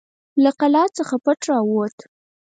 له قلا څخه پټ راووت.